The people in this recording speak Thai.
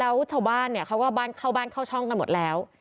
แล้วชาวบ้านเขาก็เข้าบ้านเข้าช่องกันหมดแล้ว